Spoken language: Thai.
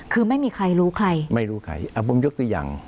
คือไม่มีใครรู้ใครไม่รู้ใครอ่ะผมยกตัวอย่าง